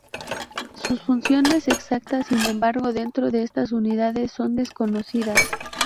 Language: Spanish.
Sus funciones exactas sin embargo dentro de estas unidades son desconocidas.